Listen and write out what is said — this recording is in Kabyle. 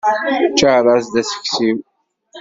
Ččar-as-d aseksiw.